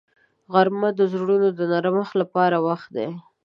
غرمه د زړونو د نرمښت لپاره وخت دی